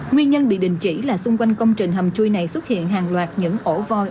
nguyên nhân bị đình chỉ là xung quanh công trình hầm chui này xuất hiện hàng loạt những ổ voi